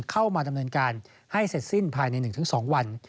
เข้ามาดำเนินการให้เสร็จสิ้นภายใน๑๒วัน